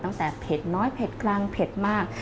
ตั้งแต่เผ็ดน้อยเผ็ดกลางเผ็ดมาก